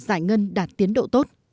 giải ngân đạt tiến độ tốt